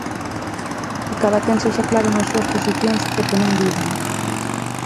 Que cadaquén sexa claro nas súas posicións e que non digan.